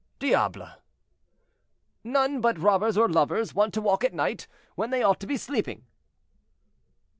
"Diable!" "None but robbers or lovers want to walk at night, when they ought to be sleeping."